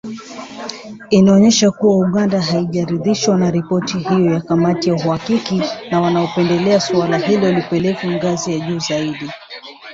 Inaonyesha kuwa Uganda haijaridhishwa na ripoti hiyo ya kamati ya uhakiki na wanapendelea suala hilo lipelekwe ngazi ya juu zaidi.